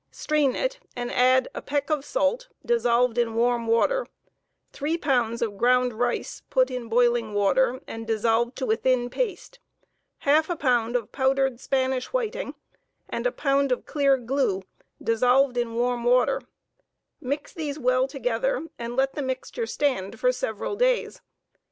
Strain it and add a peck of salt, dissolved in warm water; three pounds of ground rice put in boiling water, and boiled to a thin paste; half a pound of powdered Spanish whiting, and a pound of clear glue, dissolved in warm water; mix these well together, and let the mixture stand for several days.